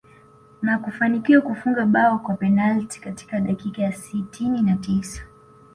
Na kufanikiwa kufunga bao kwa penalti katika dakika ya sitini na tisa